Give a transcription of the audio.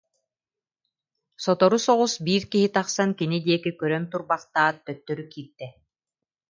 Сотору соҕус биир киһи тахсан кини диэки көрөн турбахтаат, төттөрү киирдэ